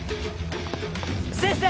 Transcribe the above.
先生！